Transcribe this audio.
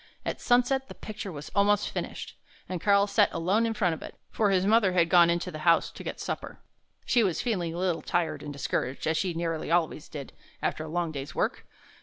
At sunset the picture was almost finished, and Karl sat alone in front of it, for his mother had gone into the house to get supper. He was feeling a little tired and discouraged, as he nearly always did after a long day's work.